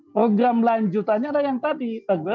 program lanjutannya adalah yang tadi